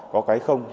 có cái không